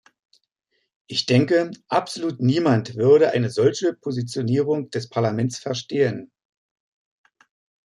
Ich denke, absolut niemand würde eine solche Positionierung des Parlaments verstehen.